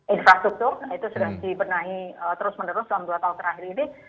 infrastruktur itu sudah dibenahi terus menerus dalam dua tahun terakhir ini